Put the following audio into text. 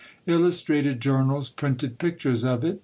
Illustrated journals printed pictures of it.